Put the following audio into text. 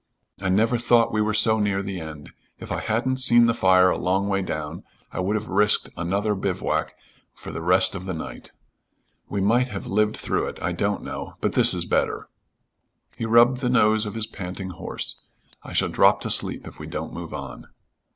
I never thought we were so near the end. If I hadn't seen the fire a long way down, I would have risked another bivouac for the rest of the night. We might have lived through it I don't know, but this is better." He rubbed the nose of his panting horse. "I shall drop to sleep if we don't move on."